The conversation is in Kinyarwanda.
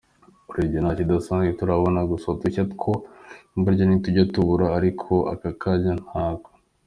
urebye nta kidasanzwe turabona, gusa udushya two burya ntitujya tubura ariko aka kanya ntako.